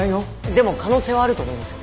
でも可能性はあると思いますよ。